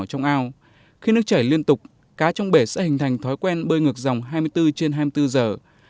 trong ao khi nước chảy liên tục cá trong bể sẽ hình thành thói quen bơi ngược dòng hai mươi bốn trên hai mươi bốn giờ